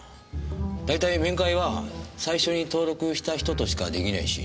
だいたい面会は最初に登録した人としかできないし。